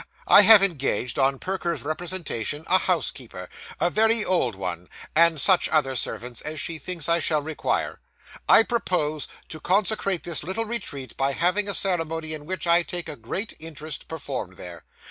I have engaged, on Perker's representation, a housekeeper a very old one and such other servants as she thinks I shall require. I propose to consecrate this little retreat, by having a ceremony in which I take a great interest, performed there.